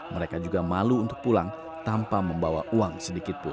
mereka juga malu untuk pulang tanpa membawa uang sedikitpun